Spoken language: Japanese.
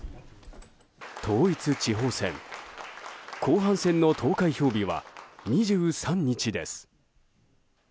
統一地方選後半戦の投開票日は２３日です。